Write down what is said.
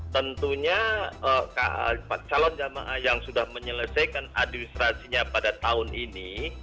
tentunya calon jamaah yang sudah menyelesaikan administrasinya pada tahun ini